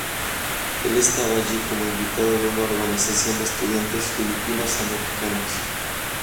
El estaba allí como invitado de una organización de estudiantes filipinos americanos.